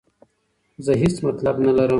زه هیڅ مطلب نه لرم.